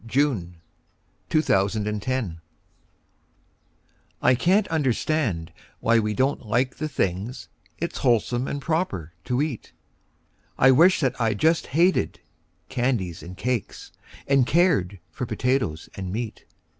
Edgar Fawcett A Sad Case I CAN'T understand why we don't like the things It's wholesome and proper to eat; I wish that I just hated candies and cakes, And cared for potatoes and meat.